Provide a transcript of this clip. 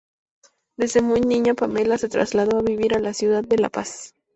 Desde muy niña, Pamela se trasladó a vivir a la ciudad de La Paz.